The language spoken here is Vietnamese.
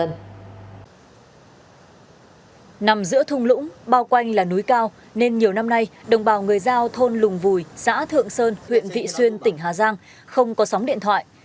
nằm giữa thung lũng bao quanh là núi cao nên nhiều năm nay đồng bào người giao thôn lùng vùi xã thượng sơn huyện vị xuyên tỉnh hà giang không có sóng điện thoại